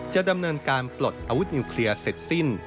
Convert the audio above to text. จะดำเนินการปลดอาวุธนิวเคลียร์เสร็จสิ้น